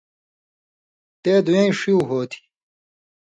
تے (دُوئیں) ݜیُو ہو تھی،